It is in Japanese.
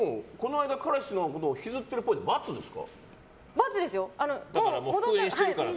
彼氏のことを引きずってるっぽいって×ですよ。